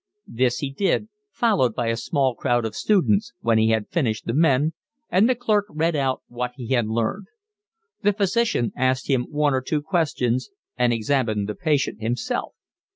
This he did, followed by a small crowd of students, when he had finished the men, and the clerk read out what he had learned. The physician asked him one or two questions, and examined the patient himself.